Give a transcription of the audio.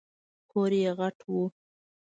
کور یې غټ و .